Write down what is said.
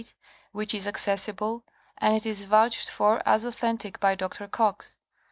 which is accessible, and it is vouched for as authentic by Dr. Coxe.